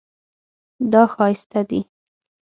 دا ښایسته دی